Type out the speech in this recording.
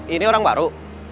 ini orang baru